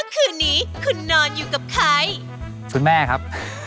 คุณแม่ครับ